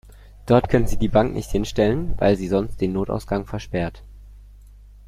Dort können Sie die Bank nicht hinstellen, weil Sie sonst den Notausgang versperren.